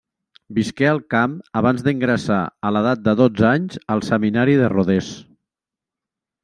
Visqué al camp abans d'ingressar, a l'edat de dotze anys, al seminari de Rodés.